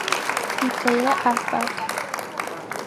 He played at Half Back.